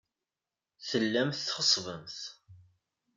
Tellamt txessfemt.